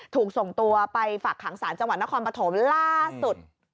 ถูกส่งตัวไปฝากขังศาลจังหวัดนครปฐมล่าสุด